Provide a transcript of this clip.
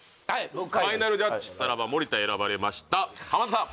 ファイナルジャッジさらば森田選ばれました浜田さん